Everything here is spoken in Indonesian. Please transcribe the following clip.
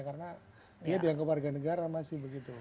karena dia yang ke warga negara masih begitu